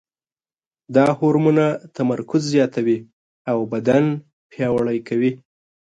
دا هورمونونه تمرکز زیاتوي او بدن پیاوړی کوي.